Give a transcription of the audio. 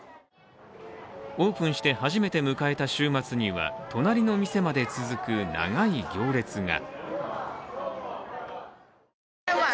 オープンして初めて迎えた週末には隣の店まで続く長い行列が。